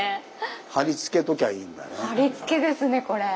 貼りつけですねこれ。